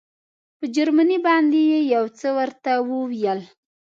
په جرمني باندې یې یو څه ورته وویل.